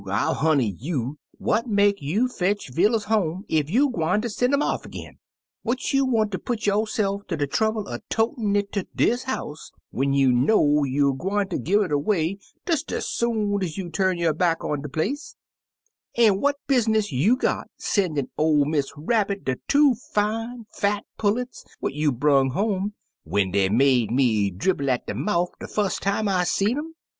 FU honey you I What make you fetch vittles home ef you gwine ter sen' it off ag'in? What you wanter put yo'seY ter de trouble er totin' it ter dis house, when you know you gwineter gi' it Vay des ez soon ez you tum yo' back on de place? An' what business you got sen'in' or Miss Rabbit de two fine, fat pullets what you brang home, which dey made me dribble at de mouf de fust time I seed um